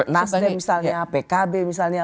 nas deh misalnya pkb misalnya